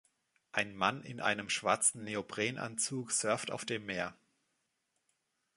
Ein Mann in einem schwarzen Neoprenanzug surft auf dem Meer.